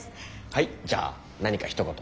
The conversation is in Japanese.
はいじゃあ何かひと言。